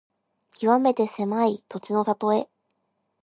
きわめて狭い土地のたとえ。